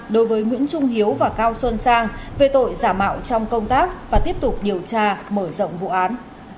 đối với nguyễn trung hiếu và cao xuân sang về tội giả mạo trong công tác và tiếp tục điều tra mở rộng vụ án